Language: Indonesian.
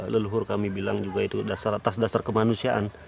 leluhur kami bilang juga itu atas dasar kemanusiaan